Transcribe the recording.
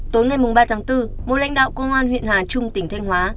tối ngày ba tháng bốn một lãnh đạo công an huyện hà trung tỉnh thanh hóa